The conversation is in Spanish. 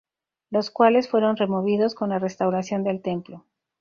Los cuales fueron removidos con la restauración del templo.